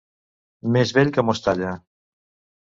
Més vell que Mostalla.